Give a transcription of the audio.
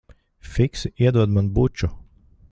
Fiksi iedod man buču.